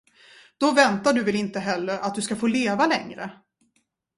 Då väntar du väl inte heller, att du ska få leva längre?